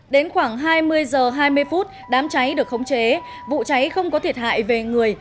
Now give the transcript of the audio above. đến khoảng hai mươi h hai mươi phút đám cháy được khống chế vụ cháy không có thiệt hại về người